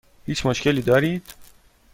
هیچ مشکلی دارید؟